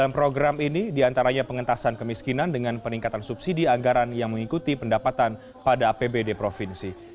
sembilan program ini diantaranya pengentasan kemiskinan dengan peningkatan subsidi anggaran yang mengikuti pendapatan pada apbd provinsi